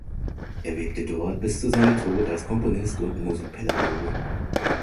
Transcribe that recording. Er wirkte dort bis zu seinem Tod als Komponist und Musikpädagoge.